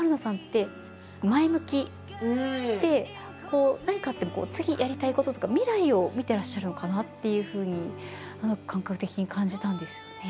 だから何かあっても次やりたいこととか未来を見てらっしゃるのかなっていうふうに感覚的に感じたんですよね。